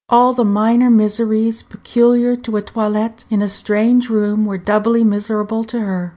All the minor miseries peculiar to a toilet in a strange room were doubly miserable to her.